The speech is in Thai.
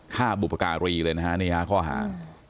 ค่าบุปการีเลยนะครับนี่ค่าหา